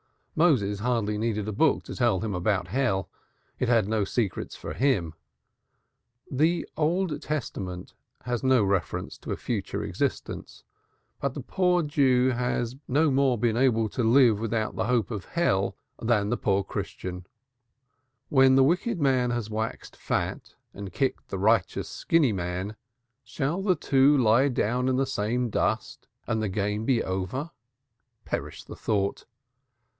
Moses hardly needed a book to tell them about Hell. It had no secrets for him. The Old Testament has no reference to a future existence, but the poor Jew has no more been able to live without the hope of Hell than the poor Christian. When the wicked man has waxed fat and kicked the righteous skinny man, shall the two lie down in the same dust and the game be over? Perish the thought!